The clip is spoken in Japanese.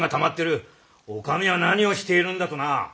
「お上は何をしているんだ」とな。